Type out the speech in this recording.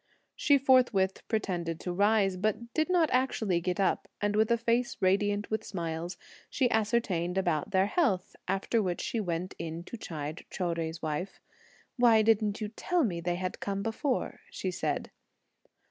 She forthwith pretended to rise, but did not actually get up, and with a face radiant with smiles, she ascertained about their health, after which she went in to chide Chou Jui's wife. "Why didn't you tell me they had come before?" she said.